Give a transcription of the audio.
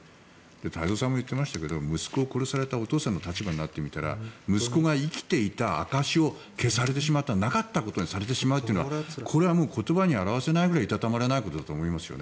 太蔵さんも言っていましたが息子を殺されたお父さんの立場になってみたら息子が生きていた証しを消されてしまったなかったことにされるというのはこれは言葉に表せないぐらいいたたまれないことだと思いますね。